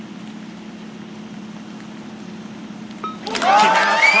決めました！